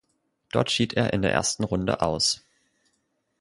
Dort schied er in der ersten Runde aus.